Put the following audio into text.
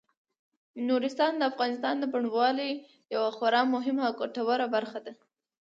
نورستان د افغانستان د بڼوالۍ یوه خورا مهمه او ګټوره برخه ده.